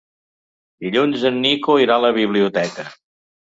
Dilluns en Nico irà a la biblioteca.